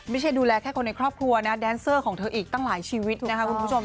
ไม่ใช่ดูแลแค่คนในครอบครัวนะแดนเซอร์ของเธออีกตั้งหลายชีวิตนะคะคุณผู้ชม